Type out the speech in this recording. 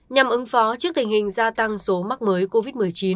nhằm ứng phó trước tình hình gia tăng số mắc mới covid một mươi chín